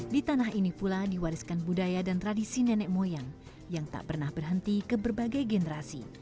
di tanah ini pula diwariskan budaya dan tradisi nenek moyang yang tak pernah berhenti ke berbagai generasi